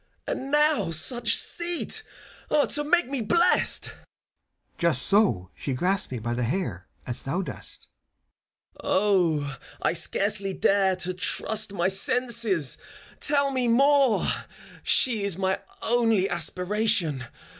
And now such seat, to make me blest! CHIRON. Just so she grasped me by the hair As thou dost. FAUST. 0, I scarcely dare To trust my senses I — tell me more! She is my only aspiration